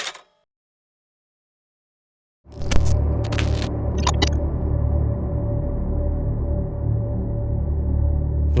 โปรดติดตามตอนต่อไป